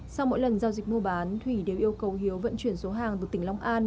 sau mỗi lần giao dịch mua bán thủy đều yêu cầu hiếu vận chuyển số hàng từ tỉnh long an